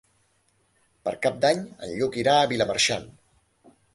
Per Cap d'Any en Lluc irà a Vilamarxant.